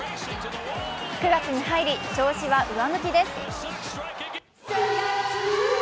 ９月に入り調子は上向きです。